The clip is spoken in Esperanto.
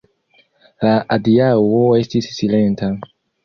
La adiaŭo estis silenta.